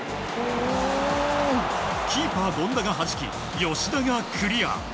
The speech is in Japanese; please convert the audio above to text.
キーパー権田がはじき吉田がクリア。